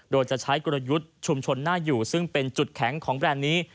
โดยจะใช้กลยุทธ์ชุมชนหน้าอยู่ซึ่งเป็นจุดแข็งของแบรนด์นี้